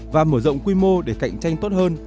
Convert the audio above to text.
và mở rộng quy mô để cạnh tranh tốt hơn